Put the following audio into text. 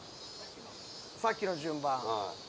さっきの順番。